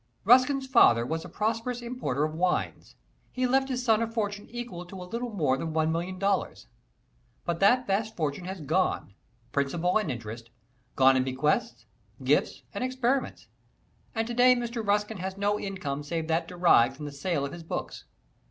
Ruskin's father was a prosperous importer of wines. He left his son a fortune equal to a little more than one million dollars. But that vast fortune has gone principal and interest gone in bequests, gifts and experiments; and today Mr. Ruskin has no income save that derived from the sale of his books.